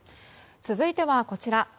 続いてはこちら。